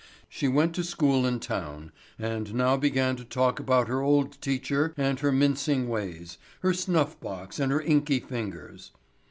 She went to school in town, and now began to talk about her old teacher and her mincing ways, her snuff box and her inky fingers.